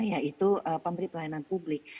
yaitu pemberi pelayanan publik